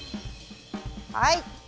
はい。